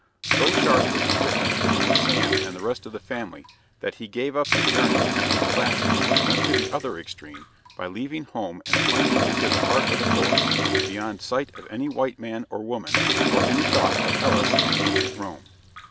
So sharp was the difference between Sam and the rest of the family that he gave up his yearning after the classics and went to the other extreme by leaving home and plunging into the heart of the forest beyond sight of any white man or woman or any thought of Hellas and ancient Rome.